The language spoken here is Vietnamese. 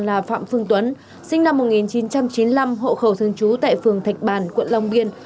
là phạm phương tuấn sinh năm một nghìn chín trăm chín mươi năm hộ khẩu thương chú tại phường thạch bàn quận long biên